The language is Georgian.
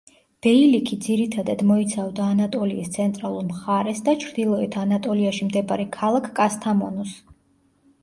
ბეილიქი ძირითადად მოიცავდა ანატოლიის ცენტრალურ მხარეს და ჩრდილოეთ ანატოლიაში მდებარე ქალაქ კასთამონუს.